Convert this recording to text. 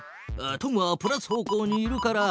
トムはプラス方向にいるから。